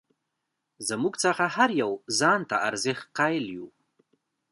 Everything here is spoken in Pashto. زموږ څخه هر یو ځان ته ارزښت قایل یو.